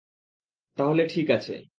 তাহলে ঠিক আছে!